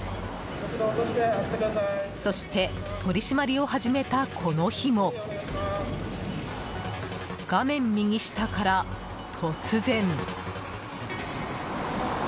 そして取り締まりを始めたこの日も、画面右下から突然。